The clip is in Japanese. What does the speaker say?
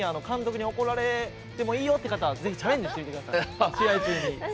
これ、監督に怒られてもいいよっていう方はぜひチャレンジしてみてください。